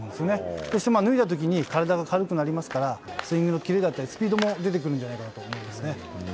そしてまあ、脱いだときに体が軽くなりますから、スイングのキレだったりスピードも出てくるんじゃないかなと思いますね。